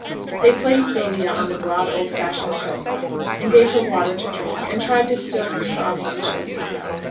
They placed Sylvia on the broad, old fashioned sofa, and gave her water to drink, and tried to still her sobbing and choking.